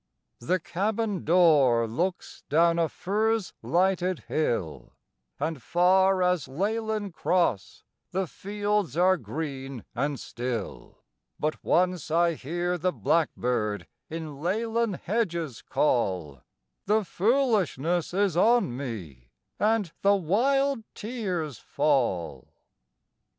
The cabin door looks down a furze lighted hill, And far as Leighlin Cross the fields are green and still; But once I hear the blackbird in Leighlin hedges call, The foolishness is on me, and the wild tears fall!